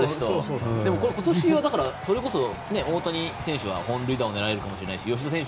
今年、それこそ大谷選手は本塁打を狙えるかもしれないし吉田選手